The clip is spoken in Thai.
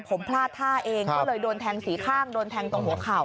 ผมพลาดท่าเองก็เลยโดนแทงสี่ข้างโดนแทงตรงหัวเข่า